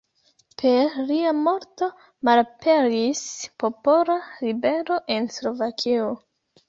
Per lia morto malaperis popola ribelo en Slovakio.